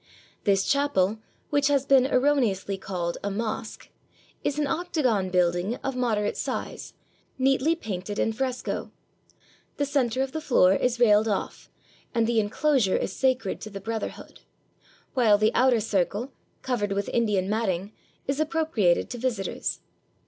This chapel, which has been erroneously called a "mosque," is an octagon building of moderate size, neatly painted in fresco. The center of the floor is railed off, and the inclosure is sacred to the brotherhood ; while the outer circle, covered with Indian matting, is appro priated to visitors.